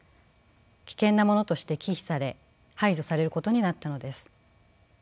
危険なものとして忌避され排除されることになったのです。